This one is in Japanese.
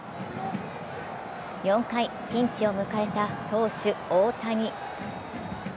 ４回、ピンチを迎えた投手・大谷。